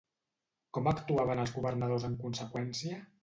Com actuaven els governadors en conseqüència?